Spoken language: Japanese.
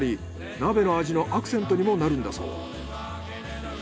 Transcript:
鍋の味のアクセントにもなるんだそう。